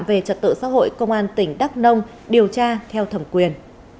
về trật tự xã hội công an tỉnh đắk nông điều tra theo thẩm quyền